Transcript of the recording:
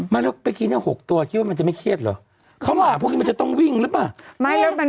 ไม่แล้วเมื่อกี้เนี่ย๖ตัวคิดว่ามันจะไม่เครียดเหรอเขาหมาพวกนี้มันจะต้องวิ่งหรือเปล่า